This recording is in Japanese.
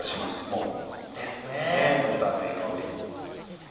もうバターのいい香り。